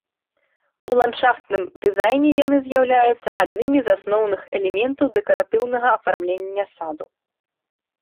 У ландшафтным дызайне яны з'яўляюцца аднымі з асноўных элементаў дэкаратыўнага афармлення саду.